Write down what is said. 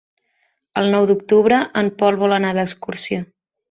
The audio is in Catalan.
El nou d'octubre en Pol vol anar d'excursió.